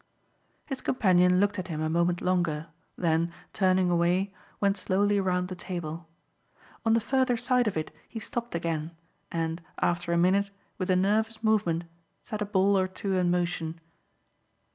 His companion looked at him a moment longer, then, turning away, went slowly round the table. On the further side of it he stopped again and, after a minute, with a nervous movement, set a ball or two in motion.